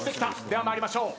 では参りましょう。